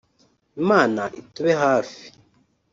Imana itube hafi